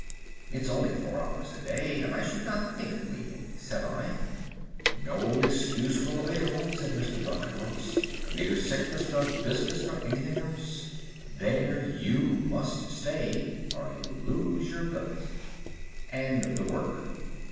"'It's only four hours a day, and I should not think of leaving,' said I. "'No excuse will avail,' said Mr. Duncan Ross; 'neither sickness nor business nor anything else. There you must stay, or you lose your billet.' "'And the work?